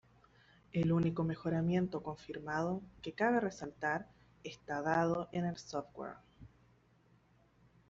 El único mejoramiento confirmado que cabe resaltar está dado en el software.